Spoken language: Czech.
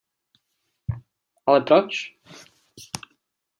Ale proč?